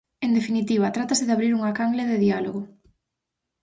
En definitiva, trátase de abrir unha canle de diálogo.